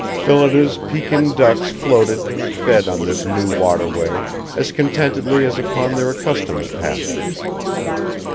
Phillida's Pekin ducks floated and fed on this new waterway as contentedly as upon their accustomed pastures.